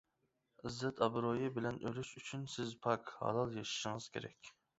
ئىززەت-ئابرۇيى بىلەن ئۆلۈش ئۈچۈن سىز پاك، ھالال ياشىشىڭىز كېرەك.